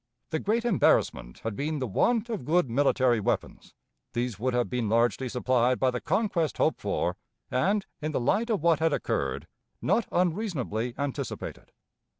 The great embarrassment had been the want of good military weapons; these would have been largely supplied by the conquest hoped for, and, in the light of what had occurred, not unreasonably anticipated.